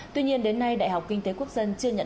tuy nhiên đến nay đại học kinh tế quốc dân chưa nhận